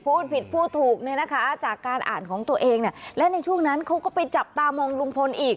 พูดผิดพูดถูกเนี่ยนะคะจากการอ่านของตัวเองเนี่ยและในช่วงนั้นเขาก็ไปจับตามองลุงพลอีก